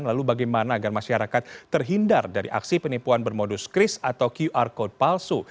lalu bagaimana agar masyarakat terhindar dari aksi penipuan bermodus kris atau qr code palsu